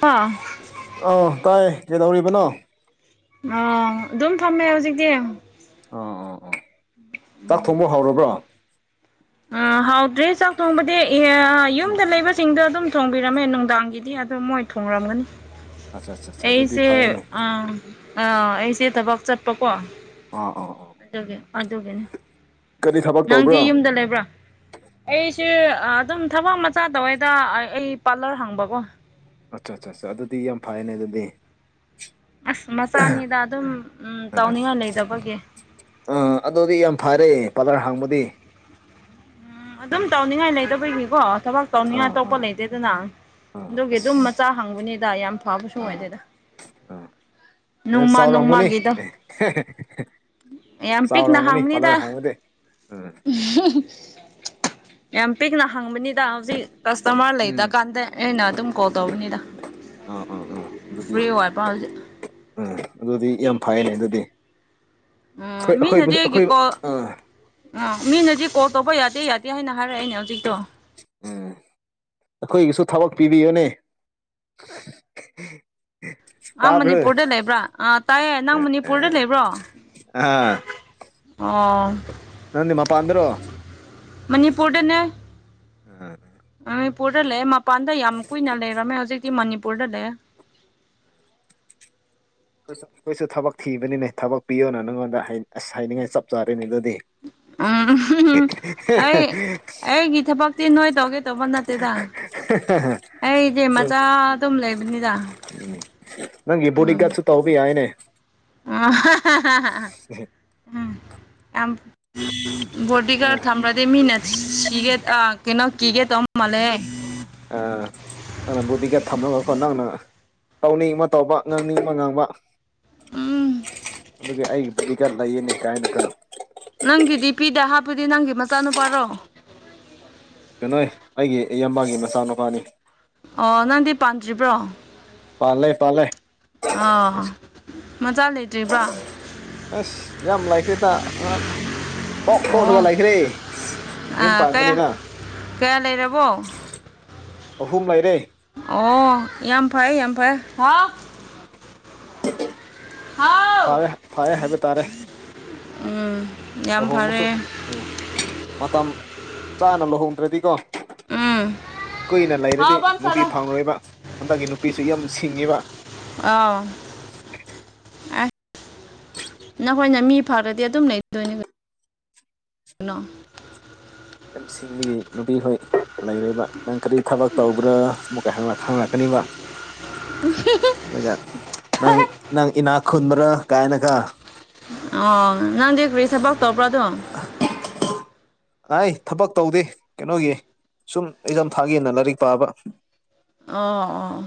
ꯄ ꯑꯥ ꯇꯥꯏ ꯀꯩꯗꯧꯔꯤꯕꯅꯣ ꯑ ꯑꯗꯨꯝ ꯐꯝꯃꯦ ꯍꯧꯖꯤꯛꯀꯤ ꯑꯥ ꯑꯥ ꯑꯥ ꯆꯥꯛ ꯊꯣꯡꯕ ꯍꯧꯔꯕ꯭ꯔꯣ ꯍꯥꯎꯗ꯭ꯔꯦ ꯆꯥꯛ ꯊꯣꯡꯕꯗꯤ ꯎꯝ ꯌꯨꯝꯗ ꯂꯩꯕꯁꯤꯡꯗꯣ ꯑꯗꯨꯝ ꯊꯣꯡꯕꯤꯔꯝꯃꯦ ꯅꯨꯡꯗꯥꯡꯒꯤꯗꯤ ꯑꯗꯣ ꯃꯣꯏ ꯊꯣꯡꯂꯝꯒꯅꯤ ꯑꯠꯆꯥ ꯑꯠꯆꯥ ꯑꯠꯆꯥ ꯑꯗꯨꯗꯤ ꯑꯩꯁꯦ ꯐꯩꯌꯦꯅꯦ ꯑꯥ ꯑꯥ ꯑꯩꯁꯦ ꯊꯕꯛ ꯆꯠꯄꯀꯣ ꯑ ꯑꯣ ꯑꯗꯨꯒꯤ ꯑꯗꯨꯒꯤꯅꯤ ꯀꯔꯤ ꯊꯕꯛ ꯅꯪꯗꯤ ꯇꯧꯕ꯭ꯔꯣ ꯌꯨꯝꯗ ꯂꯩꯕ꯭ꯔꯥ ꯑꯩꯁꯦ ꯑꯗꯨꯝ ꯊꯕꯛ ꯃꯆꯥ ꯇꯧꯋꯦꯗ ꯑꯩ ꯄꯥꯔꯂꯔ ꯍꯪꯕꯀꯣ ꯑꯠꯆꯥ ꯑꯠꯆꯥ ꯑ ꯑꯗꯨꯗꯤ ꯌꯥꯝ ꯐꯩꯅꯦ ꯑꯗꯨꯗꯤ ꯑꯁ ꯃꯆꯥꯅꯤꯗ ꯑꯗꯨꯝ ꯑꯥ ꯇꯥꯎꯅꯤꯡꯉꯥꯏ ꯂꯩꯗꯕꯒꯤ ꯑꯥ ꯑꯗꯨꯗꯤ ꯌꯥꯝ ꯐꯔꯦ ꯄꯥꯔꯂꯔ ꯍꯥꯡꯕꯗꯤ ꯎꯝ ꯑꯗꯨꯝ ꯇꯧꯅꯤꯡꯉꯥꯏ ꯂꯩꯗꯕꯒꯤꯀꯣ ꯊꯕꯛ ꯑꯥ ꯇꯧꯅꯤꯡꯉꯥꯏ ꯑꯇꯣꯞꯄ ꯑꯥ ꯂꯩꯇꯦꯗꯅ ꯑꯥ ꯑꯗꯨꯒꯤ ꯑꯗꯨꯝ ꯃꯆꯥ ꯑꯁ ꯍꯪꯕꯅꯤꯗ ꯌꯥꯝ ꯐꯕꯁꯨ ꯑꯥ ꯑꯣꯏꯗꯦꯗ ꯑꯥ ꯑꯦ ꯅꯣꯡꯃ ꯆꯥꯎꯔꯝꯒꯅꯤ ꯅꯣꯡꯃꯒꯤꯗꯣ ꯌꯥꯝ ꯄꯤꯛꯅ ꯆꯥꯎꯔꯝꯒꯅꯤ ꯄꯥꯂꯔ ꯍꯥꯡꯕꯅꯤꯗ ꯍꯥꯡꯗꯤ ꯎꯝ꯫ ꯌꯥꯝ ꯄꯤꯛꯅ ꯍꯥꯡꯕꯅꯤꯗ ꯍꯧꯖꯤꯛ ꯀꯁꯇꯃꯔ ꯎꯝ ꯂꯩꯇ ꯀꯥꯟꯗ ꯑꯩꯅ ꯑꯗꯨꯝ ꯀꯣꯜ ꯇꯧꯕꯅꯤꯗ ꯑꯥ ꯑꯥ ꯑꯥ ꯑꯗꯨꯗꯤ ꯐ꯭ꯔꯤ ꯑꯣꯏꯏ ꯄ ꯍꯧꯖꯤ ꯎꯝ ꯑꯗꯨꯗꯤ ꯌꯥꯝ ꯐꯩꯅꯦ ꯑꯗꯨꯗꯤ ꯎꯝ ꯑꯩꯈꯣꯏ ꯑꯩꯈꯣꯏꯕꯨ ꯃꯤꯅꯗꯤ ꯑꯩꯒꯤ ꯑꯩꯈꯣꯏ ꯀꯣꯜ ꯑꯥ ꯑꯥ ꯃꯤꯅꯗꯤ ꯀꯣꯜ ꯇꯧꯕ ꯌꯥꯗꯦ ꯌꯥꯗꯦ ꯍꯥꯏꯅ ꯍꯥꯏꯔꯛꯑꯏꯅꯦ ꯍꯧꯖꯤꯛꯇꯣ ꯎꯝ ꯑꯩꯈꯣꯏꯒꯤꯁꯨ ꯊꯕꯛ ꯄꯤꯕꯤꯌꯨꯅꯦ ꯎ ꯑꯥ ꯃꯅꯤꯄꯨꯔꯗ ꯂꯩꯕ꯭ꯔꯥ ꯑꯥ ꯇꯥꯏꯌꯦ ꯅꯪ ꯑꯦ ꯃꯅꯤꯄꯨꯔꯗ ꯑꯦ ꯂꯩꯕ꯭ꯔꯣ ꯑꯥ ꯑꯣ ꯅꯪꯗꯤ ꯃꯄꯥꯟꯗ꯭ꯔꯣ ꯃꯅꯤꯄꯨꯔꯗꯅꯦ ꯎꯝ ꯃꯅꯤꯄꯨꯔꯗ ꯂꯩ ꯃꯄꯥꯟꯗ ꯌꯥꯝ ꯀꯨꯏꯅ ꯂꯩꯔꯝꯃꯦ ꯍꯧꯖꯤꯛꯇꯤ ꯃꯅꯤꯄꯨꯔꯗ ꯂꯩ ꯑꯩꯈꯣꯏꯁꯨ ꯊꯕꯛ ꯊꯤꯕꯅꯤꯅꯦ ꯊꯕꯛ ꯄꯤꯌꯣꯅ ꯅꯪꯉꯣꯟꯗ ꯑꯁ ꯍꯥꯏꯅꯤꯡꯉꯥꯏ ꯆꯞ ꯆꯥꯔꯤꯅꯦ ꯑꯗꯨꯗꯤ ꯎꯝ ꯑꯩ ꯑꯩꯒꯤ ꯊꯕꯛꯇꯤ ꯅꯣꯏ ꯇꯧꯒꯦ ꯇꯧꯕ ꯅꯠꯇꯦꯗ [unintelligible] ꯑꯩ ꯃꯥꯆꯥ ꯑꯗꯨꯝ ꯂꯩꯕꯅꯤꯗ ꯅꯪꯒꯤ ꯕꯣꯗꯤꯒꯥꯠꯁꯨ ꯇꯧꯕ ꯌꯥꯢꯅꯦ ꯑꯣ ꯎꯝ ꯌꯥꯝ ꯑꯥ ꯕꯣꯗꯤꯒꯥꯔꯗ ꯊꯝꯕ꯭ꯔꯗꯤ ꯃꯤꯅ ꯀꯤꯒꯦ ꯑꯥ ꯀꯩꯅꯣ ꯀꯤꯒꯦ ꯇꯧ ꯃꯥꯜꯂꯦ ꯑ ꯑꯅ ꯕꯨꯗꯤꯒꯦ ꯊꯝꯔꯒ ꯀꯣ ꯅꯪꯅ ꯇꯧꯅꯤꯡꯕ ꯇꯧꯕ ꯉꯥꯡꯅꯤꯕ ꯉꯥꯡꯕ ꯎꯝ [unintelligible] ꯅꯪꯒꯤꯗꯤ ꯐꯤꯗ ꯍꯥꯞꯄꯗꯤ ꯅꯪꯒꯤ ꯃꯆꯥꯅꯨꯄꯥꯔꯣ ꯀꯩꯅꯣꯏ ꯑꯩꯒꯤ ꯏꯌꯥꯝꯕꯒꯤ ꯃꯆꯥꯅꯨꯄꯥꯅꯤ ꯑꯣ ꯅꯪꯗꯤ ꯄꯥꯟꯗ꯭ꯔꯤꯕ꯭ꯔꯣ ꯄꯥꯜꯂꯦ ꯄꯥꯜꯂꯦ ꯑꯥ ꯃꯆꯥ ꯂꯩꯇ꯭ꯔꯤ ꯑꯁ ꯌꯥꯝ ꯂꯩꯈ꯭ꯔꯦꯇꯥ ꯄꯣꯛ ꯑꯣ ꯄꯣꯔꯒ ꯂꯩꯈ꯭ꯔꯦ ꯌꯨꯝ ꯀꯌꯥ ꯄꯥꯟꯕꯅꯤꯅ ꯀꯌꯥ ꯂꯩꯔꯕꯣ ꯑꯍꯨꯝ ꯂꯩꯔꯦ ꯑꯣ ꯌꯥꯝ ꯐꯩ ꯌꯥꯝ ꯐꯩ [unintelligible] ꯍꯥꯎ ꯐꯋꯦ ꯐꯌꯦ ꯍꯥꯏꯕ ꯇꯥꯔꯦ ꯎꯝ ꯌꯥꯝ ꯐꯔꯦ ꯂꯨꯍꯣꯡꯕꯁꯨ ꯃꯇꯝ ꯆꯥꯅ ꯂꯨꯍꯣꯡꯗ꯭ꯔꯗꯤꯀꯣ ꯎꯝ ꯀꯨꯏꯅ ꯍꯥꯎ ꯂꯩꯔꯗꯤ ꯕꯟ ꯁꯥꯔꯣ ꯅꯨꯄꯤ ꯐꯪꯔꯣꯏꯕ ꯍꯟꯗꯛꯀꯤ ꯅꯨꯄꯤꯁꯤ ꯌꯥꯝ ꯁꯤꯡꯉꯤꯕ ꯑꯥꯎ ꯅꯈꯣꯏꯅ ꯃꯤ ꯐꯥꯔꯗꯤ ꯑꯗꯨꯝ ꯂꯩꯗꯣꯏꯅꯤ [unintelligible] ꯅꯣ ꯌꯥꯝ ꯁꯤꯡꯕꯒꯤ ꯅꯨꯄꯤ ꯈꯣꯏ ꯂꯩꯔꯕ ꯅꯪ ꯀꯔꯤ ꯊꯕꯛ ꯇꯧꯕ꯭ꯔꯥ ꯑꯃꯨꯛ ꯍꯪꯔꯛꯀꯅꯤꯕ [unintelligible] ꯑꯗꯨꯒ ꯅꯪ ꯅꯪ ꯏꯅꯥꯛ ꯈꯨꯟꯕ꯭ꯔꯥ ꯀꯥꯏꯅꯥꯒ ꯑꯣ ꯅꯪꯗꯤ ꯀꯔꯤ ꯊꯕꯛ ꯇꯧꯕ꯭ꯔꯣ ꯑꯗꯣ [inaudible] ꯑꯩ ꯊꯕꯛ ꯇꯧꯗꯦ ꯀꯩꯅꯣꯒꯤ ꯁꯨꯝ ꯑꯦꯛꯖꯝ ꯊꯥꯒꯦꯅ ꯂꯥꯏꯔꯤꯛ ꯄꯥꯕ ꯑꯣ ꯑꯣ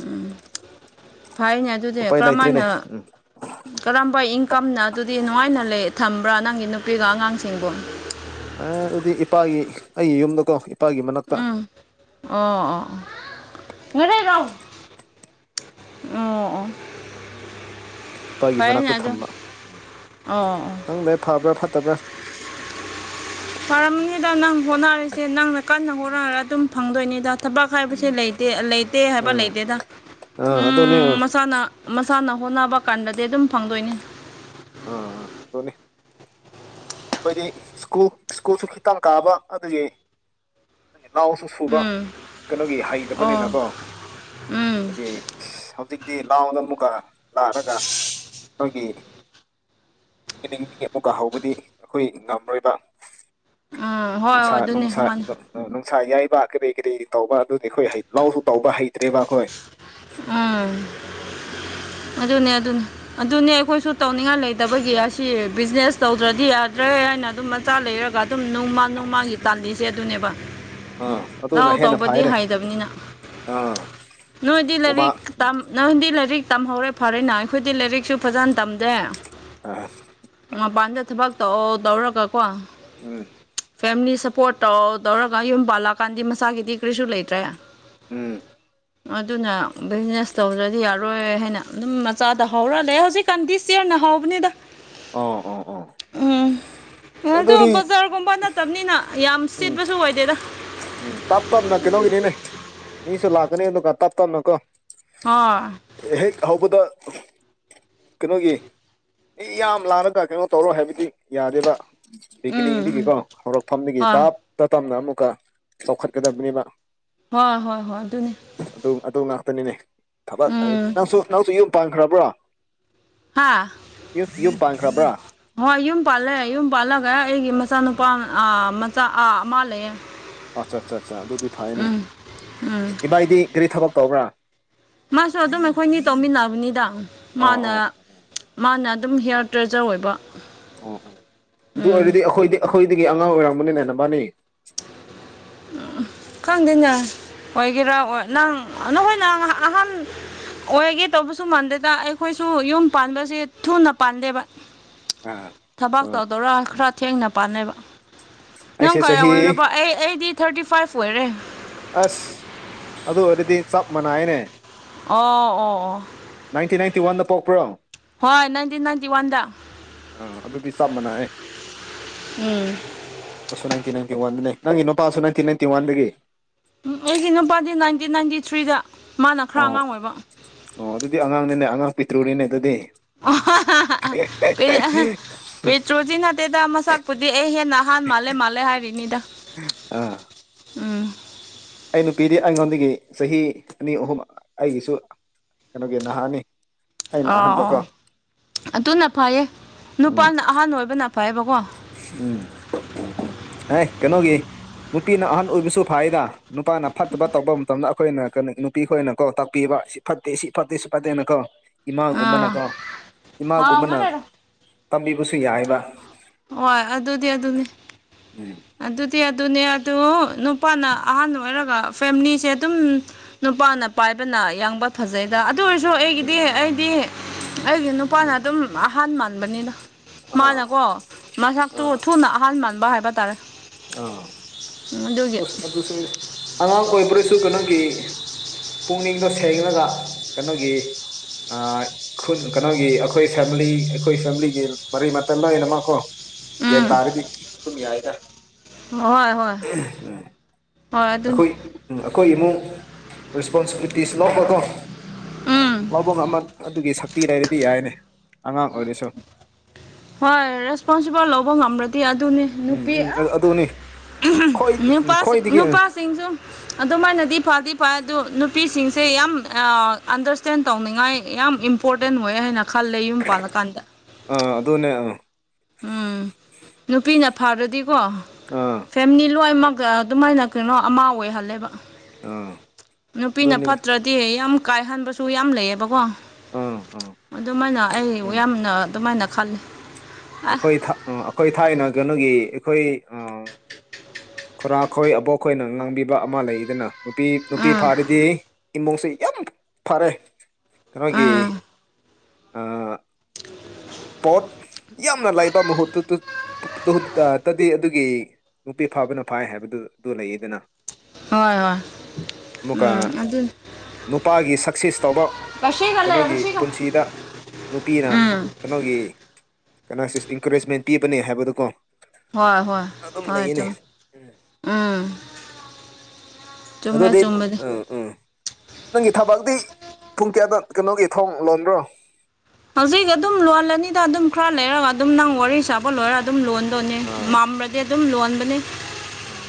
ꯎꯝ ꯐꯥꯏꯅꯦ ꯑꯗꯨꯗꯤ ꯎꯄꯥꯏ ꯂꯩꯇ꯭ꯔꯦꯅꯦ ꯀꯔꯝꯃꯥꯏꯅ ꯎꯝ ꯀꯔꯝꯕ ꯏꯟꯀꯝꯅ ꯑꯗꯨꯗꯤ ꯅꯨꯡꯉꯥꯏꯅ ꯂꯩ ꯊꯝꯕ꯭ꯔꯥ ꯅꯪꯒꯤ ꯅꯨꯄꯤꯒ ꯑꯉꯥꯡꯁꯤꯡꯕꯨ ꯑꯦ ꯑꯗꯨꯗꯤ ꯏꯄꯥꯒꯤ ꯑꯩꯒꯤ ꯌꯨꯝꯗꯀꯣ ꯏꯄꯥꯒꯤ ꯃꯅꯥꯛꯇ ꯎꯝ ꯑꯣ ꯑꯣ ꯑꯣ [unintelligible] ꯑꯣ ꯏꯄꯥꯒꯤ ꯐꯩꯅꯦ ꯃꯅꯥꯛꯇ ꯑꯗꯨ ꯊꯝꯕ ꯎꯝ ꯑꯣ ꯑꯣ ꯈꯪꯗ꯭ꯔꯦ ꯐꯕ꯭ꯔꯥ ꯐꯠꯇꯕ꯭ꯔꯥ ꯐꯔꯝꯅꯤꯗ ꯅꯪ ꯍꯣꯠꯅꯔꯤꯁꯦ ꯎꯝ ꯅꯪꯅ ꯀꯟꯅ ꯍꯣꯠꯅꯔ ꯑꯗꯨꯝ ꯐꯪꯗꯣꯏꯅꯤꯗ ꯊꯕꯛ ꯍꯥꯏꯕꯁꯦ ꯎꯝ ꯂꯩꯇꯦ ꯂꯩꯇꯦ ꯍꯥꯏꯕ ꯑꯥ ꯂꯩꯇꯦꯗ ꯑꯥ ꯑꯗꯨꯅꯦ ꯎꯝ ꯑꯥ ꯃꯁꯥꯅ ꯃꯁꯥꯟꯅ ꯍꯣꯠꯅꯕ ꯀꯥꯟꯔꯗꯤ ꯑꯗꯨꯝ ꯐꯪꯗꯣꯏꯅꯤ ꯑꯥ ꯑꯥ ꯗꯨꯅꯤ ꯑꯩꯈꯣꯏꯗꯤ ꯁ꯭ꯀꯨꯜ ꯁ꯭ꯀꯨꯜꯁꯨ ꯈꯤꯇꯪ ꯀꯥꯕ ꯑꯗꯨꯒꯤ ꯏꯅꯥꯎꯁꯤꯡꯒꯤ ꯐꯨꯕ ꯎꯝ ꯀꯩꯅꯣꯒꯤ ꯑꯣ ꯍꯩꯇꯕꯅꯤꯅꯀꯣ ꯎꯝ ꯑꯩꯒꯤ ꯍꯧꯖꯤꯛꯇꯤ ꯂꯥꯎꯅ ꯑꯃꯨꯛꯀ ꯂꯥꯛꯑꯒ ꯑꯩꯈꯣꯏꯒꯤ [inaudible] ꯑꯃꯨꯛ ꯀꯥ ꯍꯧꯕꯗꯤ ꯑꯩꯈꯣꯏ ꯉꯝꯔꯣꯏꯕ ꯑꯥ ꯍꯣ ꯅꯨꯡꯁꯥ ꯅꯨꯡꯁꯥ [unintelligible] ꯅꯨꯡꯁꯥ ꯌꯥꯏꯕ ꯀꯔꯤ ꯀꯔꯤ ꯇꯧꯕ ꯑꯗꯨꯗꯤ ꯑꯩꯈꯣꯏ ꯍꯩ ꯂꯥꯎꯁꯨ ꯇꯧꯕ ꯍꯩꯇ꯭ꯔꯦꯕ ꯑꯩꯈꯣꯏ ꯑꯥ ꯑꯗꯨꯅꯦ ꯑꯗꯨꯅꯦ ꯑꯗꯨꯅꯦ ꯑꯩꯈꯣꯏꯁꯨ ꯇꯧꯅꯤꯡꯉꯥꯏ ꯂꯩꯇꯕꯒꯤ ꯑꯁꯤ ꯕꯤꯖꯤꯅꯦꯁ ꯇꯧꯗ꯭ꯔꯗꯤ ꯌꯥꯗ꯭ꯔꯦ ꯍꯥꯏꯅ ꯑꯗꯨꯝ ꯃꯆꯥ ꯂꯩꯔꯒ ꯑꯗꯨꯝ ꯅꯣꯡꯃ ꯅꯣꯡꯃꯒꯤ ꯇꯥꯜꯂꯤꯁꯦ ꯑꯗꯨꯅꯦꯕ ꯑꯥ ꯑꯗꯨꯅ ꯂꯧ ꯍꯦꯟꯅ ꯇꯧꯕꯗꯤ ꯐꯩꯅꯦ ꯍꯩꯗꯕꯅꯤꯅ ꯑꯥ ꯅꯣꯏ ꯂꯥꯏꯔꯤꯛ ꯍꯨꯃꯥꯡ ꯇꯝ ꯅꯪꯗꯤ ꯂꯥꯏꯔꯤꯛ ꯇꯝꯍꯧꯔꯦ ꯐꯔꯦꯅ ꯑꯩꯈꯣꯏꯗꯤ ꯂꯥꯏꯔꯤꯛꯁꯨ ꯐꯖꯅ ꯇꯝꯖꯦ ꯑꯥ ꯃꯄꯥꯟꯗ ꯊꯕꯛ ꯇꯧ ꯇꯧꯔꯒꯀꯣ ꯎꯝ ꯐꯦꯃꯤꯂꯤ ꯁꯞꯄꯣꯔꯠ ꯇꯧ ꯇꯧꯔꯒ ꯌꯨꯝ ꯄꯥꯜꯂꯛꯑꯀꯥꯟꯗꯤ ꯃꯁꯥꯒꯤꯗꯤ ꯀꯔꯤꯁꯨ ꯂꯩꯇ꯭ꯔꯦ ꯎꯝ ꯑꯗꯨꯅ ꯕꯤꯖꯤꯅꯦꯁ ꯇꯧꯗ꯭ꯔꯗꯤ ꯌꯥꯔꯣꯏ ꯍꯥꯏꯅ ꯑꯗꯨꯝ ꯃꯆꯥꯗ ꯍꯧꯔꯥ ꯂꯩ ꯍꯧꯖꯤꯛꯀꯥꯟꯗꯤ ꯆꯦꯡꯅ ꯍꯥꯎꯕꯅꯤꯗ ꯑꯣ ꯑꯣ ꯑꯣ ꯎꯝ ꯑꯗꯣ ꯑꯗꯨꯗꯤ ꯕꯖꯥꯔꯒꯨꯝꯕ ꯅꯠꯇꯕꯅꯤꯅ ꯌꯥꯝ ꯎꯝ ꯁꯤꯠꯄꯁꯨ ꯑꯣꯏꯗꯦꯗ ꯎꯝ ꯇꯞ ꯇꯞꯅ ꯀꯩꯅꯣꯒꯤꯅꯤꯅꯦ ꯃꯤꯁꯨ ꯂꯥꯛꯀꯅꯤ ꯑꯗꯨꯒ ꯇꯞ ꯇꯞꯅ ꯀꯣ [unintelligible] ꯍꯦꯛ ꯍꯧꯕꯗ ꯀꯩꯅꯣꯒꯤ ꯃꯤ ꯌꯥꯝ ꯂꯥꯂꯒ ꯀꯩꯅꯣ ꯇꯧꯔꯣ ꯍꯥꯏꯕꯗꯤ ꯌꯥꯗꯦꯕ ꯎꯝ ꯎꯝ ꯕꯤꯒꯤꯅꯤꯡꯗꯒꯤꯀꯣ ꯍꯧꯔꯛꯐꯝꯗꯒꯤ ꯍꯣꯏ ꯇꯞꯇ ꯇꯞꯅ ꯑꯃꯨꯛꯀ ꯆꯥꯎꯈꯠꯀꯗꯕꯅꯦꯕ ꯍꯣꯏ ꯍꯣꯏ ꯍꯣꯏ ꯑꯗꯨꯅꯦ ꯑꯗꯨ ꯑꯗꯨ ꯉꯥꯛꯇꯅꯤꯅꯦ ꯊꯕꯛ ꯎꯝ ꯅꯪꯁꯨ ꯅꯪꯁꯨ ꯌꯨꯝ ꯄꯥꯟꯈ꯭ꯔꯕ꯭ꯔꯥ ꯍꯥꯥ ꯌꯨꯝ ꯄꯥꯟꯈ꯭ꯔꯕ꯭ꯔꯥ ꯍꯣꯏ ꯌꯨꯝ ꯄꯥꯜꯂꯑꯦ ꯌꯨꯝ ꯄꯥꯜꯂꯒ ꯑꯩꯒꯤ ꯃꯆꯥꯅꯨꯄꯥ ꯃꯆꯥꯥ ꯑꯃ ꯂꯩꯌꯦ ꯑꯠꯆꯥ ꯑꯠꯆꯥ ꯑꯠꯆꯥ ꯑꯗꯨꯗꯤ ꯐꯩꯅꯦ ꯎꯝ ꯎꯝ ꯏꯕꯥꯏꯗꯤ ꯀꯔꯤ ꯊꯕꯛ ꯇꯧꯕ꯭ꯔꯥ ꯃꯥꯁꯨ ꯑꯗꯨꯝ ꯑꯩꯈꯣꯏꯅꯤ ꯇꯧꯃꯤꯟꯅꯕꯅꯤꯗ ꯑꯣ ꯃꯥꯅ ꯑꯣ ꯃꯥꯅ ꯑꯗꯨꯝ ꯍꯤꯌꯥꯔ ꯗ꯭ꯔꯦꯖꯔ ꯑꯣꯏꯕ ꯑꯣ ꯑꯣ ꯑꯗꯨ ꯎꯝ ꯑꯣꯏꯔꯗꯤ ꯑꯩꯈꯣꯏꯗꯤ ꯑꯩꯈꯣꯏꯗꯒꯤ ꯑꯉꯥꯡ ꯑꯣꯏꯔꯝꯕꯅꯤꯅꯦ ꯅꯕꯥꯅꯤ ꯎꯝ ꯈꯪꯗꯦꯅꯦ ꯑꯣꯏꯒꯦꯔꯥ ꯅꯪ ꯅꯈꯣꯏ ꯅꯪ ꯑꯍꯥꯟ ꯑꯣꯏꯒꯦ ꯇꯧꯕꯁꯨ ꯃꯥꯟꯗꯦꯗ ꯑꯩꯈꯣꯏꯁꯨ ꯌꯨꯝ ꯄꯥꯟꯕꯁꯦ ꯊꯨꯅ ꯄꯥꯟꯗꯦꯕ ꯑꯥ ꯊꯕꯛ ꯑꯥ ꯇꯧꯗꯧꯔꯥ ꯈꯔ ꯊꯦꯡꯅ ꯄꯥꯟꯅꯩꯕ ꯅꯪ ꯑꯩꯁꯦ ꯀꯌꯥ ꯆꯍꯤ ꯑꯣꯏ ꯑꯩ ꯑꯩꯗꯤ ꯊꯥꯔꯇꯤ ꯐꯥꯏꯚ ꯑꯣꯏꯔꯦ ꯑꯁ ꯑꯗꯨ ꯑꯣꯏꯔꯗꯤ ꯆꯞꯃꯅꯥꯏꯅꯦ ꯑꯣ ꯑꯣ ꯑꯣ ꯅꯥꯏꯇꯤꯟ ꯅꯥꯏꯟꯇꯤ ꯋꯥꯟꯗ ꯄꯣꯛꯄ꯭ꯔꯣ ꯍꯣꯏ ꯅꯥꯟꯇꯤꯟ ꯅꯥꯟꯇꯤꯋꯥꯟꯗ ꯑꯥ ꯑꯗꯨꯗꯤ ꯆꯞ ꯃꯅ ꯑꯦ ꯎꯝ ꯅꯪꯒꯤ ꯅꯨꯄꯥꯁꯨ ꯅꯥꯢꯇꯤ ꯅꯥꯏꯇꯤ ꯋꯥꯗꯒꯤ ꯎꯝ ꯑꯩꯒꯤ ꯅꯨꯄꯥꯗꯤ ꯅꯥꯏꯟꯇꯤꯟ ꯅꯥꯏꯟꯇꯤ ꯊ꯭ꯔꯤꯗ ꯃꯥꯅ ꯈꯔ ꯑꯣ ꯑꯉꯥꯡ ꯑꯣꯏꯕ ꯑꯣ ꯑꯗꯨꯗꯤ ꯑꯉꯥꯡꯅꯤꯅꯦ ꯑꯉꯥꯡ ꯄꯤꯇ꯭ꯔꯨꯅꯤꯅꯦ ꯑꯗꯨꯗꯤ ꯑꯣ ꯍꯦꯍꯦꯛ ꯄꯦꯇ꯭ꯔꯣꯖꯤ ꯅꯠꯇꯦꯗ ꯃꯁꯛꯄꯨꯗꯤ ꯑꯩ ꯍꯦꯟꯅ ꯑꯍꯥꯟ ꯃꯥꯜꯂꯦ ꯃꯥꯜꯂꯦ ꯍꯥꯏꯔꯤꯅꯤꯗ ꯑꯥ ꯎꯝ ꯑꯩ ꯅꯨꯄꯤꯗꯤ ꯑꯩꯉꯣꯟꯗꯒꯤ ꯆꯍꯤ ꯑꯅꯤ ꯑꯍꯨꯝ ꯑꯩꯒꯤꯁꯨ ꯀꯩꯅꯣꯒꯤ ꯅꯍꯥꯅꯤ ꯑꯩꯅ ꯑꯥ ꯑꯥ ꯑꯍꯟꯕꯀꯣ ꯑꯗꯨꯅ ꯐꯩꯌꯦ ꯎꯝ ꯅꯨꯄꯥꯅ ꯑꯍꯥꯟꯕ ꯑꯣꯏꯕꯅ ꯐꯌꯦꯕꯀꯣ ꯎꯝ ꯑꯦ ꯀꯩꯅꯣꯒꯤ ꯅꯨꯄꯤꯅ ꯑꯍꯟ ꯑꯣꯏꯕꯁꯨ ꯐꯥꯏꯗ ꯅꯨꯄꯥꯅ ꯐꯠꯇꯕ ꯇꯧꯕ ꯃꯇꯝꯗ ꯑꯩꯈꯣꯏꯅ ꯀꯩꯅꯣ ꯅꯨꯄꯤ ꯈꯣꯏꯅ ꯀꯣ ꯇꯥꯛꯄꯤꯕ ꯁꯤ ꯐꯠꯇꯦ ꯁꯤ ꯐꯠꯇꯦ ꯁꯤ ꯐꯠꯇꯦꯅ ꯀꯣ ꯑꯥ ꯏꯃꯥꯒꯨꯝꯕꯅꯀꯣ ꯍꯥꯎꯅ ꯏꯃꯥꯒꯨꯝꯕꯅ ꯂꯩꯔꯣ ꯇꯝꯕꯤꯕꯁꯨ ꯌꯥꯏꯕ ꯍꯣꯏ ꯑꯗꯨꯗꯤ ꯑꯗꯨꯅꯤ ꯎꯝ ꯑꯗꯨꯗꯤ ꯑꯗꯨꯅꯦ ꯑꯗꯨ ꯅꯨꯄꯥꯅ ꯑꯍꯟ ꯑꯣꯏꯔꯒ ꯐꯦꯃꯤꯂꯤꯁꯦ ꯑꯗꯨꯝ ꯅꯨꯄꯥꯅ ꯄꯥꯏꯕꯅ ꯌꯥꯡꯕ ꯐꯖꯩꯗ ꯑꯗꯨ ꯑꯣꯏꯔꯁꯨ ꯎꯝ ꯑꯩꯒꯤꯗꯤ ꯑꯩꯗꯤ ꯑꯩꯒꯤ ꯅꯨꯄꯥꯅ ꯑꯗꯨꯝ ꯑꯍꯥꯟ ꯃꯥꯟꯕꯅꯤꯅ ꯑꯥ ꯃꯥꯅꯀꯣ ꯃꯁꯛꯇꯨ ꯊꯨꯅ ꯑꯍꯟ ꯃꯥꯟꯕ ꯍꯥꯏꯕ ꯇꯥꯔꯦ ꯑꯗꯨꯒꯤ ꯑꯥꯁ ꯑꯗꯨꯁꯨ ꯑꯉꯥꯡ ꯑꯣꯏꯕ꯭ꯔꯁꯨ ꯀꯩꯅꯣꯒꯤ ꯄꯨꯛꯅꯤꯡꯗꯣ ꯁꯦꯡꯂꯒ ꯀꯩꯅꯣꯒꯤ ꯈꯨ ꯀꯩꯅꯣꯒꯤ ꯑꯩꯈꯣꯏ ꯐꯦꯃꯤꯂꯤ ꯑꯩꯈꯣꯏ ꯐꯦꯃꯤꯂꯤꯒꯤ ꯃꯔꯤ ꯃꯇꯥꯏ ꯂꯣꯅꯃꯛ ꯀꯣ ꯒ꯭ꯌꯥꯟ ꯎꯝ ꯇꯥꯔꯗꯤ ꯑꯗꯨꯝ ꯌꯥꯏꯗ ꯍꯣꯏ ꯍꯣꯏ [unintelligible] ꯍꯣꯏ ꯑꯗꯨꯅꯤ ꯑꯩꯈꯣꯏ ꯑꯩꯈꯣꯏ ꯏꯃꯨꯡ ꯔꯦꯁꯄꯣꯟꯁꯤꯕꯤꯂꯤꯇꯤꯁ ꯂꯄꯀꯣ ꯎꯝ ꯂꯧꯕ ꯉꯝꯕ ꯑꯗꯨꯒꯤ ꯁꯛꯇꯤ ꯂꯩꯔꯗꯤ ꯌꯥꯏꯅꯤ ꯑꯉꯥꯡ ꯑꯣꯏꯔꯁꯨ ꯍꯣꯏ ꯔꯦꯁꯄꯣꯟꯁꯤꯕꯜ ꯂꯧꯕ ꯉꯝꯂꯗꯤ ꯑꯗꯨꯅꯤ ꯎꯝ ꯅꯨꯄꯤ ꯎꯝ ꯑꯗꯨꯅꯤ ꯈꯣꯏ ꯅꯨꯄꯥꯁꯤꯡ ꯈ꯭ꯋꯥꯏꯗꯒꯤ ꯅꯨꯄꯥꯁꯤꯡꯁꯨ ꯑꯗꯨꯃꯥꯏꯅꯗꯤ ꯐꯗꯤ ꯐ ꯑꯗꯨ ꯅꯨꯄꯤꯁꯤꯡꯁꯦ ꯌꯥꯝ ꯑꯟꯗꯔꯁꯇꯦꯟ ꯇꯧꯅꯤꯡꯉꯥꯏ ꯌꯥꯝ ꯏꯝꯄꯣꯔꯇꯦꯟ ꯑꯣꯏ ꯍꯥꯏꯅ ꯈꯜꯂꯦ ꯌꯨꯝ ꯄꯥꯜꯂꯀꯥꯟꯗ ꯑ ꯑꯗꯨꯅꯦ ꯑ ꯎꯝ ꯅꯨꯄꯤꯅ ꯐꯥꯔꯗꯤꯀꯣ ꯑꯥ ꯐꯦꯃꯤꯂꯤ ꯂꯣꯏꯅꯃꯛꯒ ꯑꯗꯨꯃꯥꯏꯅ ꯀꯩꯅꯣ ꯑꯃ ꯑꯣꯏꯍꯜꯂꯦꯕ ꯑꯥ ꯅꯨꯄꯤꯅ ꯑꯗꯨꯅꯦ ꯐꯠꯇ꯭ꯔꯗꯤ ꯌꯥꯝ ꯀꯥꯏꯍꯟꯕꯁꯨ ꯌꯥꯝ ꯂꯩꯌꯦꯕꯀꯣ ꯑꯥ ꯑꯥ ꯑꯗꯨꯃꯥꯏꯅ ꯑꯩ ꯎꯝ ꯌꯥꯝꯅ ꯑꯗꯨꯃꯥꯏꯅ ꯈꯜꯂꯤ ꯑꯥ ꯑꯩꯈꯣꯏ ꯊ ꯑꯩꯈꯣꯏ ꯊꯥꯏꯅ ꯀꯩꯅꯣꯒꯤ ꯑꯩꯈꯣꯏ ꯈꯨꯔꯥ ꯈꯣꯏ ꯑꯕꯣꯛ ꯈꯣꯏꯅ ꯉꯥꯡꯕꯤꯕ ꯑꯃ ꯂꯩꯗꯅ ꯅꯨꯄꯤ ꯅꯨꯄꯤ ꯎꯝ ꯐꯥꯔꯗꯤ ꯏꯃꯨꯡꯁꯦ ꯌꯥꯝ ꯐꯔꯦ ꯀꯩꯅꯣꯒꯤ ꯎꯝ [unintelligible] ꯄꯣꯠ ꯌꯥꯝꯅ ꯂꯩꯥꯏꯕ ꯃꯍꯨꯠꯇꯨꯇꯤ ꯇꯗꯤ ꯑꯗꯨꯒꯤ ꯅꯨꯄꯤ ꯐꯥꯕꯅ ꯐꯥꯏ ꯍꯥꯏꯕꯗꯨ ꯑꯗꯨ ꯂꯩꯌꯦꯗꯅ ꯍꯣꯏ ꯍꯣꯏ ꯑꯃꯨꯛꯀ ꯎꯝ ꯑꯗꯨ ꯅꯨꯄꯥꯒꯤ ꯁꯛꯁꯦꯁ ꯇꯧꯕ ꯀꯩꯅꯣꯒꯤ ꯄꯨꯟꯁꯤꯗ ꯅꯨꯄꯤꯅ ꯎꯝ ꯀꯩꯅꯣꯒꯤ ꯀꯩꯅꯣꯁꯤ ꯏꯟꯀꯔꯦꯖꯃꯦꯟ ꯄꯤꯕꯅꯦ ꯍꯥꯏꯕꯗꯨꯀꯣ ꯍꯣꯏ ꯍꯣꯏ ꯑꯗꯨꯝ ꯍꯣꯏ ꯂꯩꯌꯦꯅꯦ ꯆꯨꯝ ꯎꯝ ꯎꯝ ꯆꯨꯝꯃꯦ ꯑꯗꯨꯗꯤ ꯆꯨꯝꯕꯗꯤ ꯎꯪ ꯎꯝ ꯅꯪꯒꯤ ꯊꯕꯥꯛꯇꯤ ꯄꯨꯡ ꯀꯌꯥꯗ ꯀꯩꯅꯣꯒꯤ ꯊꯣꯡ ꯂꯣꯟꯕ꯭ꯔꯣ ꯍꯧꯖꯤꯛ ꯑꯗꯨꯝ ꯂꯣꯜꯂꯅꯤꯗ ꯑꯗꯨꯝ ꯈꯔ ꯂꯩꯔꯒ ꯑꯗꯨꯝ ꯅꯪ ꯋꯥꯔꯤ ꯁꯥꯕ ꯂꯣꯏꯔ ꯑꯗꯨꯝ ꯂꯣꯟ ꯑꯗꯨꯅꯦ ꯑꯥ ꯃꯥꯝꯂꯗꯤ ꯎꯝ ꯑꯗꯨꯝ ꯂꯣꯟꯕꯅꯤ ꯎꯝ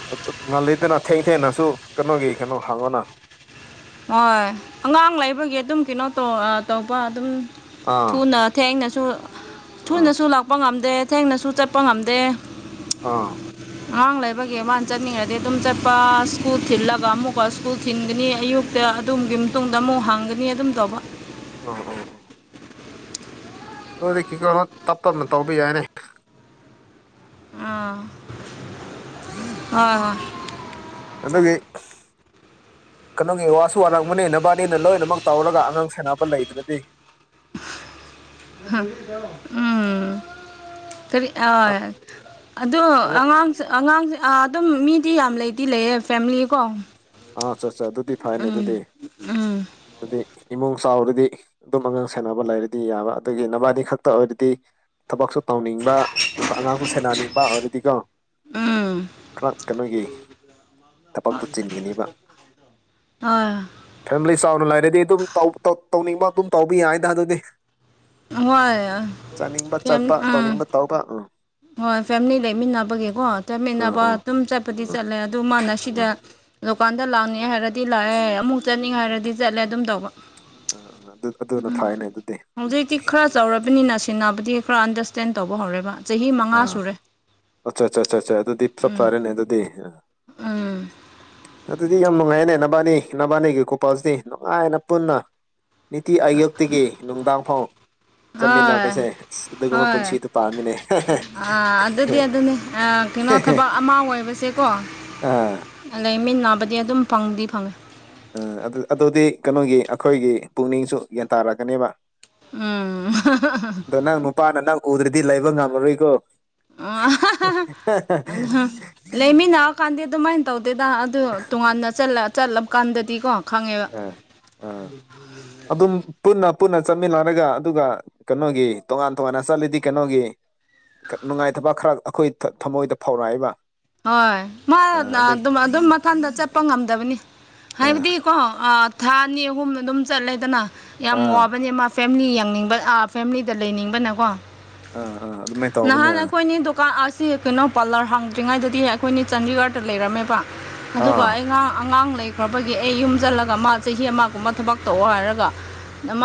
ꯉꯜꯂꯤꯗꯅ ꯊꯦꯡ ꯊꯦꯡꯅꯁꯨ ꯀꯩꯅꯣꯒꯤ ꯀꯩꯅꯣ ꯍꯥꯡꯉꯣꯅ ꯍꯣꯏ ꯑꯉꯥꯡ ꯂꯩꯕꯒꯤ ꯑꯗꯨꯝ ꯀꯩꯅꯣ ꯇꯧ ꯑ ꯇꯧꯕ ꯑꯗꯨꯝ ꯑꯥ ꯊꯨꯅ ꯊꯦꯡꯅꯁꯨ ꯑꯥ ꯊꯨꯅꯁꯨ ꯂꯥꯛꯄ ꯉꯝꯗꯦ ꯊꯦꯡꯅꯁꯨ ꯆꯠꯄ ꯉꯝꯗꯦ ꯑꯥ ꯑꯉꯥꯡ ꯂꯩꯕꯒꯤ ꯃꯥꯅ ꯆꯠꯅꯤꯡꯉꯗꯤ ꯑꯗꯨꯝ ꯆꯠꯄ ꯁ꯭ꯀꯨꯜ ꯊꯤꯜꯂꯒ ꯑꯃꯨꯛꯀ ꯁ꯭ꯀꯨꯜ ꯊꯤꯟꯒꯅꯤ ꯑꯌꯨꯛ ꯗ ꯑꯗꯨꯝꯒꯤ ꯃꯇꯨꯡꯗ ꯑꯃꯨꯛ ꯍꯥꯡꯒꯅꯤ ꯑꯗꯨꯝ ꯇꯧꯕ ꯑꯣ ꯑꯣ ꯑꯣ ꯀꯣꯂꯤꯛꯀꯤ ꯀꯣ ꯇꯞ ꯇꯞꯅ ꯇꯧꯕ ꯌꯥꯏꯅꯦ ꯑ ꯍꯣꯏ ꯍꯣꯏ ꯑꯗꯨꯒꯤ ꯀꯩꯅꯣꯒꯤ ꯋꯥꯁꯨ ꯋꯥꯔꯛꯄꯅꯤ ꯅꯕꯥꯅꯤꯅ ꯂꯣꯏꯅꯃꯛ ꯇꯧꯔꯒ ꯑꯉꯥꯡ ꯁꯦꯅꯕ ꯂꯩꯕꯗꯗꯤ ꯎꯝ ꯀꯔꯤ ꯑ ꯑꯗꯨ ꯑꯉꯥꯡ ꯑꯉꯥꯡꯁꯦ ꯑꯥ ꯑꯗꯨꯝ ꯃꯤꯗꯤ ꯌꯥꯝ ꯂꯩꯗꯤ ꯂꯩꯌꯦ ꯐꯦꯃꯤꯂꯤ ꯀꯣ ꯑꯥ ꯑꯆꯥ ꯑꯠꯆꯥ ꯑꯗꯨꯗꯤ ꯐꯅꯦ ꯑꯗꯨꯗꯤ ꯎꯝ ꯑꯗꯨꯗꯤ ꯏꯃꯨꯡ ꯆꯥꯎꯔꯗꯤ ꯑꯗꯨꯝ ꯑꯉꯥꯡ ꯁꯦꯅꯕ ꯂꯩꯔꯗꯤ ꯌꯥꯕ ꯑꯗꯨꯒꯤ ꯅꯕꯥꯅꯤ ꯈꯛꯇ ꯑꯣꯏꯔꯗꯤ ꯊꯕꯛꯁꯨ ꯇꯧꯅꯤꯡꯕ ꯑꯉꯥꯡꯁꯨ ꯁꯦꯟꯅꯅꯤꯡꯕ ꯑꯣꯏꯔꯗꯤꯀꯣ ꯎꯝ ꯈ꯭ꯂꯛ ꯇꯕꯒꯤ ꯊꯕꯛꯇꯨ ꯆꯤꯟꯒꯅꯤꯕ ꯑꯥ ꯐꯦꯃꯤꯂꯤ ꯆꯥꯎꯅ ꯂꯩꯔꯗꯤ ꯑꯗꯨꯝ ꯇꯧ ꯇꯧ ꯇꯧꯅꯤꯡꯕ ꯑꯗꯨꯝ ꯇꯧꯕ ꯌꯥꯏꯗ ꯑꯗꯨꯗꯤ ꯍꯣꯏ ꯆꯠꯅꯤꯡꯕ ꯐꯦꯝ ꯆꯠꯄ ꯎꯝ ꯇꯧꯅꯤꯡꯕ ꯇꯧꯕ ꯎꯝ ꯍꯣꯏ ꯐꯦꯃꯤꯂꯤ ꯂꯩꯃꯤꯟꯅꯕꯒꯤꯀꯣ ꯎꯝ ꯆꯠꯃꯤꯟꯅꯕ ꯎꯝ ꯑꯗꯨꯝ ꯆꯠꯄꯗꯤ ꯎꯝ ꯆꯠꯂꯦ ꯑꯗꯨ ꯃꯥꯅ ꯎꯝ ꯁꯤꯗ ꯗꯨꯀꯥꯟꯗ ꯂꯥꯛꯑꯅꯤ ꯍꯥꯏꯔꯗꯤ ꯂꯥꯛꯑꯦ ꯑꯃꯨꯛ ꯆꯠꯅꯤꯡ ꯍꯥꯏꯔꯗꯤ ꯆꯠꯂꯦ ꯑꯗꯨꯝ ꯇꯧꯕ ꯎꯝ ꯎꯝ ꯑꯗꯨ ꯑꯗꯨꯅ ꯐꯩꯅꯦ ꯑꯗꯨꯗꯤ ꯆꯠ ꯍꯧꯖꯤꯛꯇꯤ ꯈꯔ ꯆꯥꯎꯔꯕꯅꯤꯅ ꯁꯤꯟꯅꯕꯗꯤ ꯈꯔ ꯑꯟꯗꯔꯁꯇꯦꯟ ꯇꯧꯕ ꯍꯧꯔꯦꯕ ꯆꯍꯤ ꯑ ꯃꯉꯥ ꯁꯨꯔꯦ ꯑꯆꯥ ꯆꯥ ꯆꯥ ꯆꯥ ꯑꯗꯨꯗꯤ ꯆꯞ ꯎꯝ ꯆꯥꯔꯦꯅꯦ ꯑꯗꯨꯗꯤ ꯎꯝ ꯑꯗꯨꯗꯤ ꯌꯥꯝ ꯅꯨꯡꯉꯥꯏꯅꯦ ꯅꯕꯥꯅꯤ ꯅꯕꯥꯅꯤꯒꯤ ꯀꯣꯄꯜꯁꯤꯗꯤ ꯅꯨꯡꯉꯥꯏꯅ ꯄꯨꯟꯅ ꯅꯤꯇꯤ ꯑꯌꯨꯛꯇꯒꯤ ꯅꯨꯡꯗꯥꯡꯐꯥꯎ ꯍꯣꯏ ꯆꯠꯃꯤꯟꯅꯕꯁꯦ ꯑꯗꯨꯒꯨꯝꯕ ꯍꯣꯏ ꯄꯨꯟꯁꯤꯗꯨ ꯄꯥꯝꯃꯤꯅꯦ ꯑꯥ ꯑꯗꯨꯗꯤ ꯑꯗꯨꯅꯦ ꯑꯥ [unintelligible] ꯀꯩꯅꯣ ꯊꯕꯛ ꯑꯃ ꯑꯣꯏꯕꯁꯦꯀꯣ ꯑꯥ ꯂꯩꯃꯤꯟ ꯅꯥꯕꯗꯤ ꯑꯗꯨꯝ ꯐꯪꯗꯤ ꯐꯪꯉꯦ ꯎꯝ ꯑꯗꯨ ꯑꯗꯨꯗꯤ ꯀꯩꯅꯣꯒꯤ ꯑꯩꯈꯣꯏꯒꯤ ꯄꯨꯛꯅꯤꯡꯁꯨ ꯒ꯭ꯌꯥꯟ ꯇꯥꯔꯛꯀꯅꯦꯕ ꯎꯝ [unintelligible] ꯑꯗꯣ ꯅꯪ ꯅꯨꯄꯥꯅ ꯅꯪ ꯎꯗ꯭ꯔꯗꯤ ꯂꯩꯕ ꯉꯝꯃꯔꯣꯏꯀꯣ ꯑꯥ [unintelligible] ꯂꯩꯃꯤꯟꯅꯑꯀꯥꯟꯗꯤ ꯑꯗꯨꯃꯥꯏꯅ ꯇꯧꯗꯦꯗ ꯑꯗꯨ ꯇꯣꯉꯥꯟꯅ ꯆꯠꯂꯥ ꯆꯠꯂꯕ ꯀꯥꯟꯗꯗꯤꯀꯣ ꯈꯪꯉꯦꯕ ꯑ ꯑꯥ [unintelligible] ꯑꯗꯨꯝ ꯄꯨꯟꯅ ꯄꯨꯟꯅ ꯆꯠꯃꯤꯟꯅꯔꯒ ꯑꯗꯨꯒ ꯀꯩꯅꯣꯒꯤ ꯇꯣꯉꯥꯟ ꯇꯣꯉꯥꯟꯅ ꯆꯠꯂꯤꯗꯤ ꯀꯩꯅꯣꯒꯤ ꯅꯨꯡꯉꯥꯏꯇꯕ ꯈꯔ ꯑꯩꯈꯣꯏ ꯊꯃꯣꯏꯗ ꯐꯧꯔꯛꯏꯕ ꯍꯣꯏ ꯃꯥ ꯅ ꯑꯗꯨꯝ ꯑꯗꯨꯝ ꯃꯊꯟꯇ ꯆꯠꯄ ꯉꯝꯗꯕꯅꯤ ꯑꯥ ꯍꯥꯏꯕꯗꯤ ꯀꯣ ꯊꯥ ꯑꯅꯤ ꯑꯍꯨꯝꯅ ꯑꯗꯨꯝ ꯆꯠꯂꯦꯗꯅ ꯌꯥꯝ ꯑꯥ ꯋꯥꯕꯅꯦ ꯃꯥ ꯐꯦꯃꯤꯂꯤ ꯌꯦꯡꯅꯤꯡꯕ ꯐꯦꯃꯤꯂꯤꯗ ꯂꯩꯅꯤꯡꯕꯅꯀꯣ ꯑꯥ ꯑꯥ ꯑꯗꯨꯃꯥꯏꯅ ꯇꯧꯕꯅꯦ ꯅꯍꯥꯟ ꯑꯥ ꯑꯩꯈꯣꯏꯅꯤ ꯗꯣ ꯀ ꯑꯁꯤ ꯀꯩꯅꯣ ꯄꯥꯔꯂꯔ ꯍꯥꯡꯗ꯭ꯔꯤꯉꯩꯗꯗꯤ ꯑꯩꯈꯣꯏꯅꯤ ꯆꯥꯟꯗꯤꯒꯔꯗ ꯂꯩꯔꯝꯃꯦꯕ ꯑꯗꯨꯒ ꯑꯥ ꯑꯩ ꯉꯥ ꯑꯉꯥꯡ ꯂꯩ ꯑꯩꯈꯣꯏꯒꯤ ꯑꯩ ꯌꯨꯝ ꯆꯠꯂꯒ ꯃꯥ ꯆꯍꯤ ꯑꯃꯒꯨꯝꯕ ꯊꯕꯛ ꯇꯧꯑꯣ ꯍꯥꯏꯔꯒ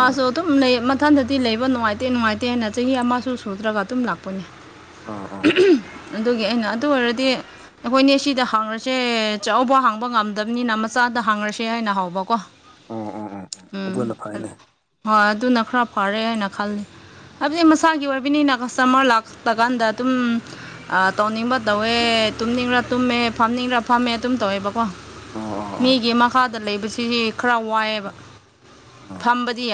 ꯑꯥ ꯑꯗꯨꯝ ꯂꯩ ꯏꯊꯟꯗꯗꯤ ꯂꯩꯕ ꯅꯨꯡꯉꯥꯏꯇꯦ ꯅꯨꯡꯉꯥꯏꯇꯦꯅ ꯆꯍꯤ ꯑꯃꯁꯨ ꯁꯨꯗ꯭ꯔꯒ ꯑꯗꯨꯝ ꯂꯥꯛꯄꯅꯦ ꯑꯥ ꯑꯥ [unintelligible] ꯑꯗꯨꯒꯤ ꯑꯩꯅ ꯑꯗꯨ ꯑꯣꯏꯔꯗꯤ ꯑꯩꯈꯣꯏꯅꯦ ꯁꯤꯗ ꯍꯡꯉꯁꯦ ꯆꯥꯎꯕ ꯍꯥꯡꯕ ꯉꯝꯗꯕꯅꯤꯅ ꯃꯆꯥꯗ ꯍꯥꯡꯉꯔꯁꯦ ꯍꯥꯏꯅ ꯍꯧꯕꯀꯣ ꯑꯣ ꯑꯣ ꯑꯣ ꯑꯣ ꯎꯝ ꯑꯗꯨꯅ ꯐꯩꯅꯦ ꯍꯣꯏ ꯑꯗꯨꯅ ꯈꯔ ꯐꯔꯦ ꯍꯥꯏꯅ ꯈꯜꯂꯤ ꯍꯥꯏꯕꯗꯤ ꯃꯁꯥꯒꯤ ꯑꯣꯏꯕꯅꯤꯅ ꯀꯁꯇꯃꯔ ꯂꯥꯛꯇꯀꯥꯟꯗ ꯑꯗꯨꯝ ꯑ ꯇꯧꯅꯤꯡꯕ ꯇꯧꯋꯦ ꯇꯨꯝꯅꯤꯡꯔꯥ ꯇꯨꯝꯃꯦ ꯐꯝꯅꯤꯡꯔꯥ ꯐꯝꯃꯦ ꯑꯗꯨꯝ ꯇꯧꯋꯦꯕꯀꯣ ꯑꯣ ꯑꯣ ꯑꯣ ꯃꯤꯒꯤ ꯃꯈꯥꯗ ꯂꯩꯕꯁꯤꯗꯤ ꯈꯔ ꯋꯥꯏꯑꯦꯕ ꯑꯥ ꯑꯥ ꯐꯝꯕꯗꯤ ꯌꯥ